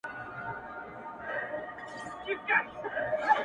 زمونږ په سر خو يې تابيا د ودانى پرته ده